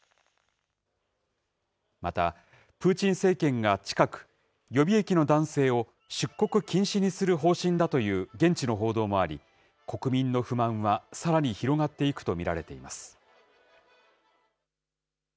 また、プーチン政権が近く、予備役の男性を出国禁止にする方針だという現地の報道もあり、国民の不満はさらに広がっていくと見られています。